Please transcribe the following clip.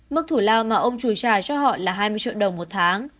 mức thủ lao mà ông trùi trả cho họ là hai mươi triệu đồng một tháng